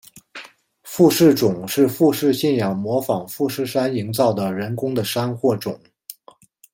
富士冢是富士信仰模仿富士山营造的人工的山或冢。